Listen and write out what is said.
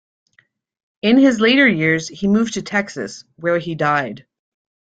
In his later years he moved to Texas, where he died.